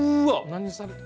何されて。